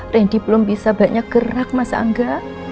randy belum bisa banyak gerak mas angga